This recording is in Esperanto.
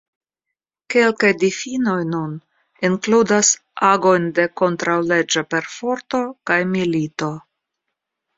Kelkaj difinoj nun inkludas agojn de kontraŭleĝa perforto kaj milito.